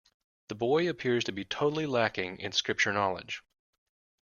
This boy appears to be totally lacking in Scripture knowledge.